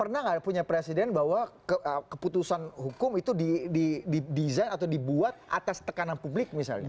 pernah nggak punya presiden bahwa keputusan hukum itu didesain atau dibuat atas tekanan publik misalnya